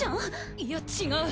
いや違う！